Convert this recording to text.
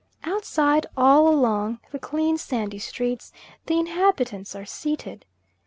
Outside, all along the clean sandy streets, the inhabitants are seated.